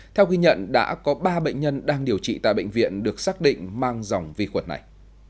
theo ghi nhận đã có ba bệnh nhân đang điều trị tại bệnh viện được xác định mang dòng vi khuẩn này